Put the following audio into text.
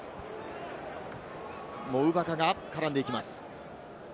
モウヴァカが絡んでいきます。